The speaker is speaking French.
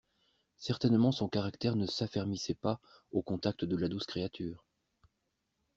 Certainement son caractère ne s'affermissait pas au contact de la douce créature.